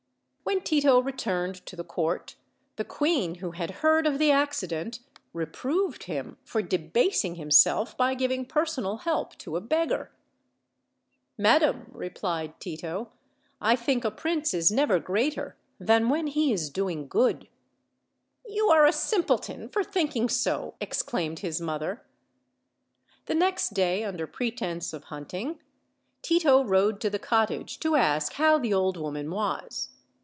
When Tito returned to the court the queen, who had heard of the accident, reproved him for "debasing him self by giving personal help to a beggar." "Madam," replied Tito, "I think a prince is never greater than when he is doing good." "You are a simpleton for thinking so," exclaimed his mother. The next day, under pretense of hunting, Tito rode to the cottage to ask how the old woman was.